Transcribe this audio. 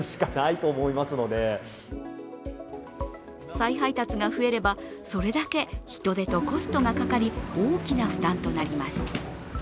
再配達が増えれば、それだけ人手とコストがかかり大きな負担となります。